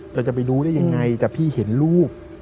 เราจะไปรู้ได้ยังไงแต่พี่เห็นรูป